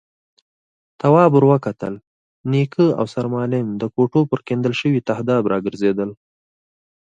تواب ور وکتل، نيکه او سرمعلم د کوټو پر کېندل شوي تهداب راګرځېدل.